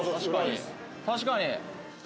確かに。